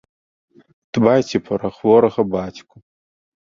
Дбайце пра хворага бацьку.